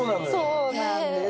そうなんですよ。